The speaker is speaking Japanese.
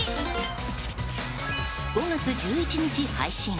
５月１１日配信。